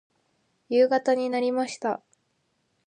夕方になりました。